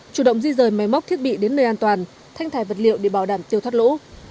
chủ động di rời máy móc thiết bị đến nơi an toàn thanh thái vật liệu để bảo đảm tiêu thoát lũ